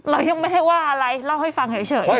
เรายังไม่ได้ว่าอะไรเล่าให้ฟังเฉย